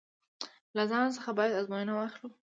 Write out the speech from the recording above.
له ځان څخه باید ازموینه واخلو.